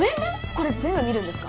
これ全部見るんですか？